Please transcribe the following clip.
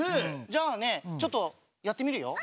じゃあねちょっとやってみるよ。